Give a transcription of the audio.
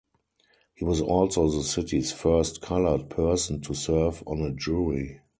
He was also the city's first "colored" person to serve on a jury.